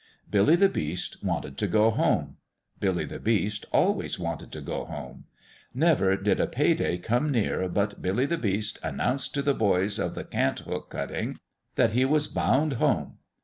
Billy the Beast wanted to go home. Billy the Beast always wanted to go home. Never did a pay day come near but Billy the Beast announced to the boys of the Cant hook cutting that he was bound home.